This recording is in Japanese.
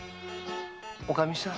おかみさん。